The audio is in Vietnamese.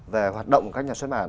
về hoạt động các nhà xuất bản